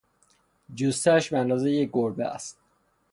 جثهاش به اندازه یک گربه است.